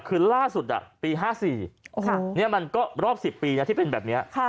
คือล่าสุดปี๕๔นี่มันก็รอบ๑๐ปีนะที่เป็นแบบนี้